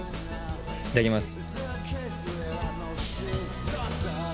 いただきます。